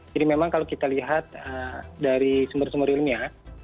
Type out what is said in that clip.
jadi memang kalau kita lihat dari sumber sumber ilmiah